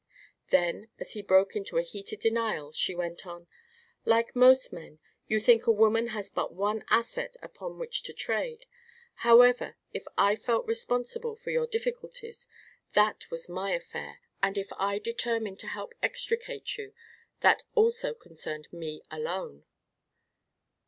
Then, as he broke into a heated denial, she went on: "Like most men, you think a woman has but one asset upon which to trade. However, if I felt responsible for your difficulties, that was my affair; and if I determined to help extricate you, that also concerned me alone."